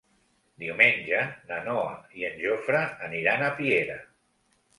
Diumenge na Noa i en Jofre aniran a Piera.